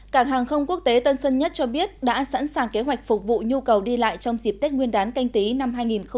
cảng hàng không quốc tế tân sơn nhất cho biết đã sẵn sàng kế hoạch phục vụ nhu cầu đi lại trong dịp tết nguyên đán canh tí năm hai nghìn hai mươi